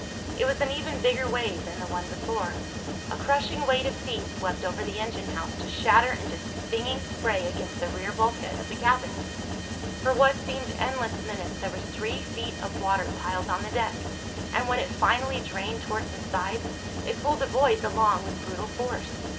It was an even bigger wave than the one before. A crushing weight of sea swept over the engine house, to shatter into stinging spray against the rear bulkhead of the cabin. For what seemed endless minutes there was three feet of water piled on the deck, and when it finally drained toward the sides it pulled the boys along with brutal force.